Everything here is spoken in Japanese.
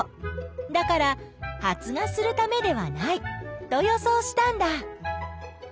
だから発芽するためではないと予想したんだ。